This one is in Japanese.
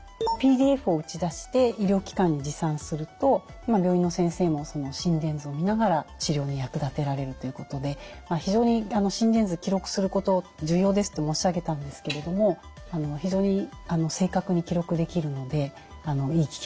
ＰＤＦを打ち出して医療機関に持参すると病院の先生も心電図を見ながら治療に役立てられるということで非常に心電図記録すること重要ですと申し上げたんですけれども非常に正確に記録できるのでいい機器だというふうに思います。